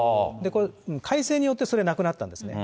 改正によってそれはなくなったんですね。